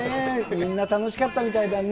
みんな楽しかったみたいだね。